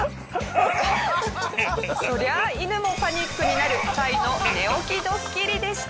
そりゃあ犬もパニックになるサイの寝起きドッキリでした。